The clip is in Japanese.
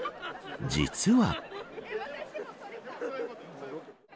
実は。